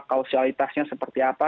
kausualitasnya seperti apa